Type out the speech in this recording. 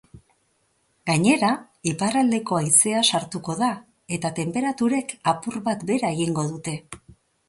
Gainera, iparraldeko haizea sartuko da eta tenperaturek apur bat behera egingo dute.